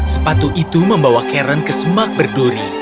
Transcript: sepatu itu membawa karen ke semak berduri